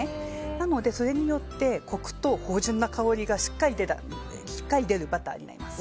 なのでそれによってコクと芳醇な香りがしっかり出るバターになります。